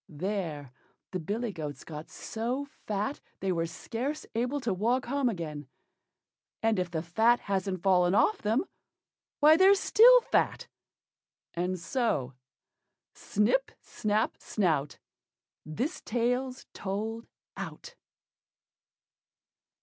There the billy goats got so fat they were scarce able to walk home again; and if the fat hasn't fallen off them, why they're still fat; and so: Snip, snap, snout, This tale's told out.